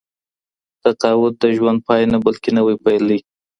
تقاعد د ژوند پای نه بلکې نوی پیل دی.